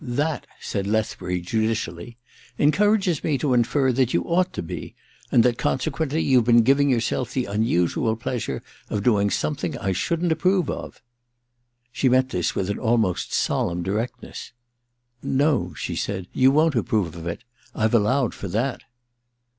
* That,' said Lethbury judicially, * encourages me to infer that you ought to be, and that, consequently, you've been giving yourself the unusual pleasure of doing something I shouldn't approve of.' She met this with an almost solemn directness. * No,' she said. * You won't approve of it. I've allowed for that.'